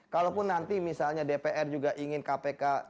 kalaupun nanti misalnya dpr juga ingin kpk